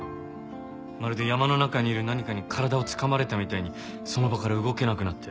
まるで山の中にいる何かに体をつかまれたみたいにその場から動けなくなって。